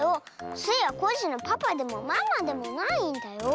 スイはコッシーのパパでもママでもないんだよ！